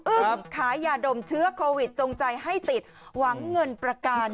ขายยาดมเชื้อโควิดจงใจให้ติดหวังเงินประกัน